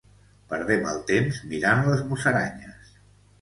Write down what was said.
Perdem el temps mirant les musaranyes.